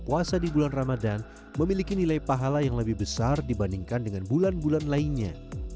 puasa di bulan ramadan memiliki nilai pahala yang lebih besar dibandingkan dengan bulan bulan lainnya